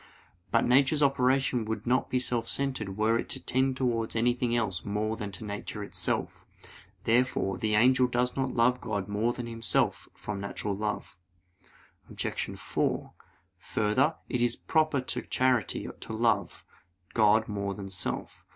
But nature's operation would not be self centered were it to tend towards anything else more than to nature itself. Therefore the angel does not love God more than himself from natural love. Obj. 4: Further, it is proper to charity to love God more than self.